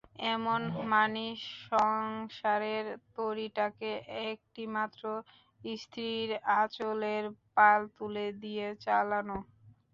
এমন মানী সংসারের তরীটাকে একটিমাত্র স্ত্রীর আঁচলের পাল তুলে দিয়ে চালানো!